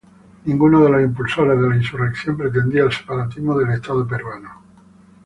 Ninguno de los impulsores de la insurrección pretendía el separatismo del Estado peruano.